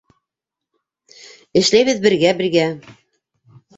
Эшләйбеҙ бергә-бергә.